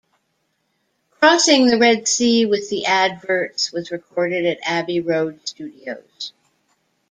"Crossing the Red Sea with the Adverts" was recorded at Abbey Road Studios.